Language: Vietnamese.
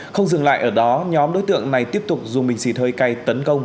không dừng lại ở đó nhóm đối tượng này tiếp tục dùng bình xì thơi cây tấn công